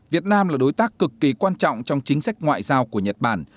việt nam là đối tác cực kỳ quan trọng trong chính sách ngoại giao của nhật bản